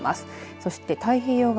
そして太平洋側。